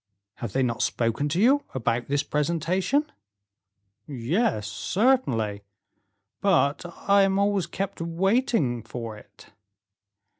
"Have they not spoken to you about this presentation?" "Yes, certainly; but I am always kept waiting for it."